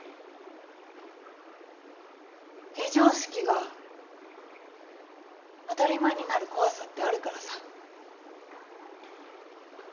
非常識が当たり前になる怖さってあるからさ。